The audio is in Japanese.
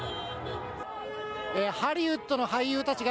ハリウッドの俳優たちが、